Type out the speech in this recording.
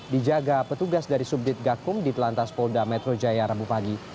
dijaga petugas dari subdit gakum di telantas polda metro jaya rabu pagi